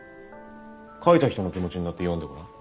書いた人の気持ちになって読んでごらん。